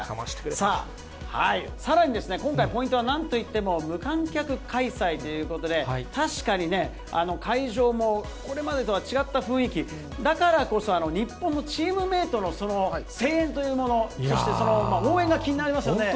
さあ、さらに今回、ポイントはなんといっても、無観客開催ということで、確かに会場もこれまでとは違った雰囲気、だからこそ、日本のチームメートの声援というもの、そしてその応援が気になりますよね。